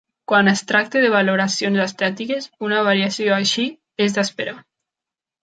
Quan es tracta de valoracions estètiques, una variació així és d'esperar.